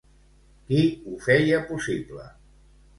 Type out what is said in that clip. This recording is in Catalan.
Qui ho feia possible?